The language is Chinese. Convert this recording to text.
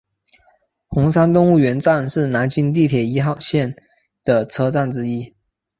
红山动物园站是南京地铁一号线的车站之一。